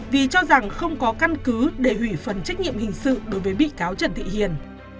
vì cho rằng không có căn cứ để hủy phần trách nhiệm hình sự đối với bị cáo trần thị hiền